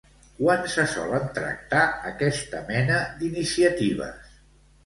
Quan se solen tractar aquesta mena d'iniciatives?